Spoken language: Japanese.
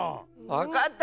わかった！